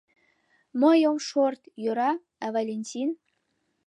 Мый ом шорт, йӧра, Валентин?